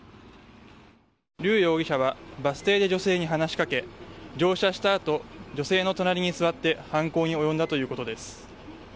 リュウ・イ容疑者はバス停で女性に話し掛け乗車した後、女性の隣に座って犯行に及んだということです。